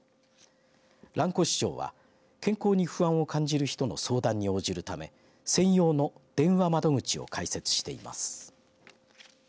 蘭越町は健康に不安を感じる人の相談に応じるため専用の電話窓口を開設しています。